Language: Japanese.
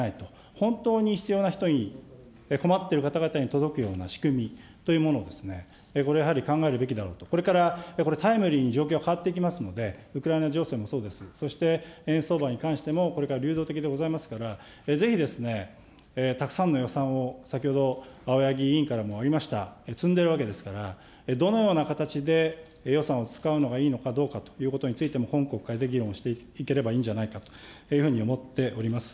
本当に必要な人に、困っている方々に届くような仕組みというものを、これはやはり考えるべきであろうと、これ、タイムリーに状況が変わっていきますので、ウクライナ情勢もそうです、そして円相場に関してもこれから流動的でございますから、ぜひ、たくさんの予算を先ほど、青柳委員からもありました、積んでるわけですから、どのような形で予算を使うのがいいのかどうかということについても、今国会で議論していければいいんじゃないかというふうに思っております。